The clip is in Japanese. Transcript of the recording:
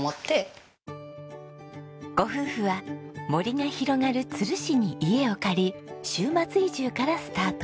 ご夫婦は森が広がる都留市に家を借り週末移住からスタート。